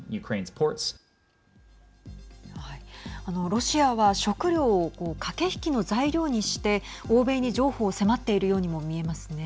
ロシアは食糧を駆け引きの材料にして欧米に譲歩を迫っているようにも見えますね。